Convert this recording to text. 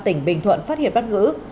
tỉnh bình thuận phát hiện bắt giữ